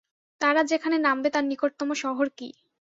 তারা যেখানে নামবে তার নিকটতম শহর কী?